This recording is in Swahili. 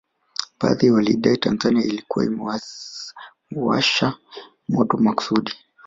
Baadhi walidai Tanzania ilikuwa imewasha moto makusudi